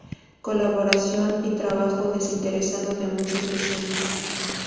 Colaboración y trabajo desinteresado de muchos vecinos.